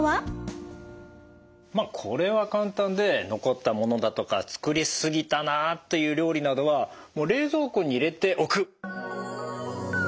これは簡単で残ったものだとか作り過ぎたなという料理などは冷蔵庫に入れておく。